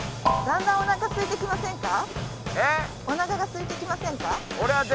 お腹が空いてきませんか？